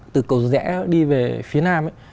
từ cầu dẽ đi về phía nam ấy